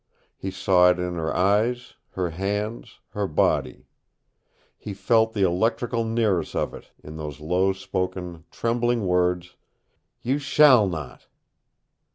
He saw it in her eyes, her hands, her body. He felt the electrical nearness of it in those low spoken, trembling words, "YOU SHALL NOT!"